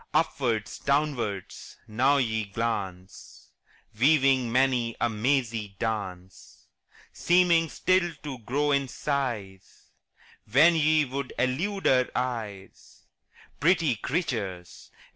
Upwards, downwards, now ye glance, Weaving many a mazy dance; Seeming still to grow in size When ye would elude our eyes Pretty creatures!